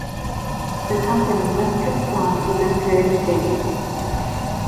The company must respond within thirty days.